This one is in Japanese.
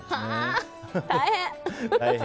大変！